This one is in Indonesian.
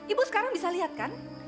ibu sekarang bisa lihat kan